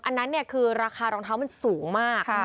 อันนั้นเนี่ยคือราคารองเท้ามันสูงมาก